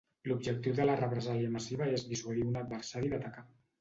L'objectiu de la represàlia massiva és dissuadir a un adversari d'atacar.